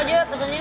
sujurnya ga jelas